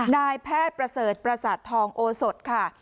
นายแพทย์ประเสริฐประสาททองโอสดค่ะ